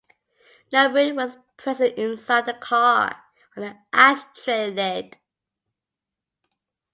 Numbering was present inside the car on the ashtray lid.